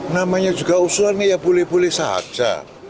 namanya juga usulan ya boleh boleh saja